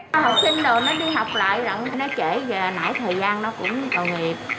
học sinh rồi nó đi học lại nó trễ nãy thời gian nó cũng tội nghiệp